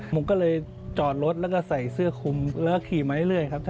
ผมก็เลยจอดรถแล้วก็ใส่เสื้อคุมแล้วก็ขี่มาเรื่อยครับ